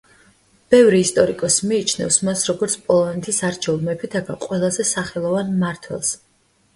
ბევრი ისტორიკოსი მიიჩნევს მას, როგორც პოლონეთის არჩეულ მეფეთაგან ყველაზე სახელოვან მმართველს.